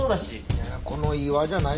いやこの岩じゃない？